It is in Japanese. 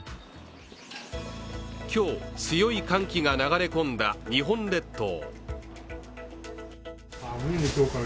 今日、強い寒気が流れ込んだ日本列島。